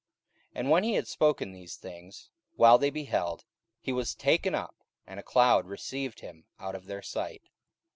44:001:009 And when he had spoken these things, while they beheld, he was taken up; and a cloud received him out of their sight.